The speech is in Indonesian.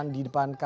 di depan kantornya